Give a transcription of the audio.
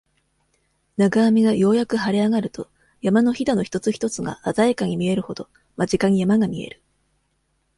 長雨がようやく晴れ上がると、山の襞の一つ一つが、鮮やかに見えるほど、間近に、山が見える。